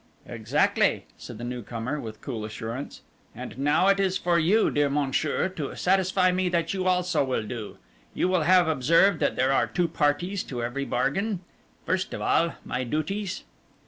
"Exactly," said the new comer with cool assurance; "and now it is for you, dear Monsieur, to satisfy me that you also will do. You will have observed that there are two parties to every bargain. First of all, my duties?"